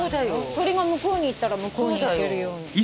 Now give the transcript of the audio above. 鳥が向こうに行ったら向こうに行けるように。